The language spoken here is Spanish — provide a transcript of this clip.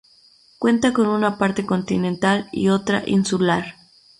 Cuenta con una parte continental y otra insular.